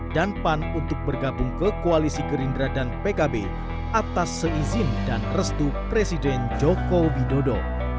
dan pan untuk bergabung ke koalisi gerindra dan pkb atas seizin dan restu presiden joko widodo